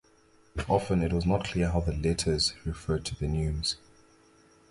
Often it was not clear how the letters refer to the neumes.